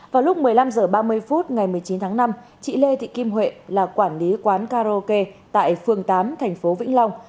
vào lúc một mươi năm h ba mươi phút ngày một mươi chín tháng năm chị lê thị kim huệ là quản lý quán karaoke tại phường tám thành phố vĩnh long